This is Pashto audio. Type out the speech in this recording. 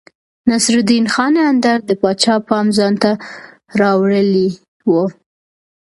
نصرالدين خان اندړ د پاچا پام ځانته رااړولی و.